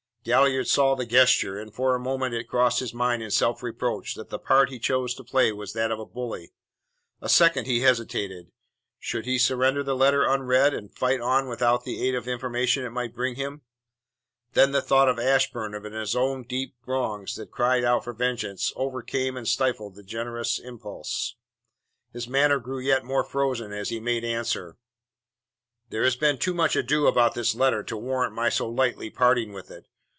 Galliard saw the gesture, and for a moment it crossed his mind in self reproach that the part he chose to play was that of a bully. A second he hesitated. Should he surrender the letter unread, and fight on without the aid of the information it might bring him? Then the thought of Ashburn and of his own deep wrongs that cried out for vengeance, overcame and stifled the generous impulse. His manner grew yet more frozen as he made answer: "There has been too much ado about this letter to warrant my so lightly parting with it.